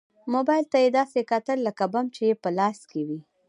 موبايل ته يې داسې کتل لکه بم چې يې په لاس کې وي.